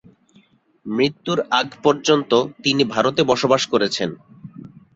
মৃত্যুর আগপর্যন্ত তিনি ভারতে বসবাস করেছেন।